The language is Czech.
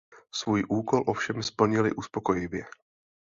Svůj úkol ovšem splnili uspokojivě.